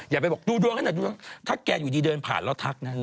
อย่าไปบอกดูถ้าแกอยู่ดีเดินผ่านแล้วทักนะ